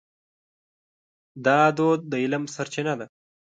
دا دود د علم سرچینه ده.